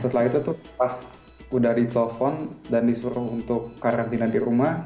setelah itu tuh pas udah ditelepon dan disuruh untuk karantina di rumah